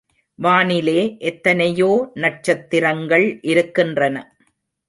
வானிலே எத்தனையோ நட்சத்திரங்கள் இருக்கின்றன.